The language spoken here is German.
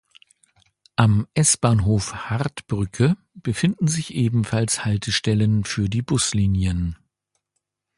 Am S-Bahnhof Hardbrücke befinden sich ebenfalls Haltestellen für die Buslinien.